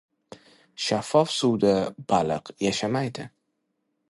• Shaffof suvda baliq yashamaydi.